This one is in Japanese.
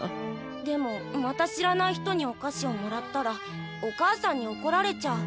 でもまた知らない人にお菓子をもらったらお母さんにおこられちゃう。